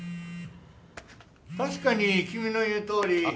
確かに君の言うとおり。